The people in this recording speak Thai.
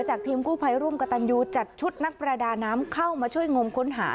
ทีมกู้ภัยร่วมกับตันยูจัดชุดนักประดาน้ำเข้ามาช่วยงมค้นหา